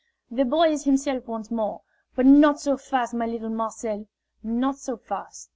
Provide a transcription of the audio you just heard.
"The boy is himself once more. But not so fast, my little Marcel, not so fast!"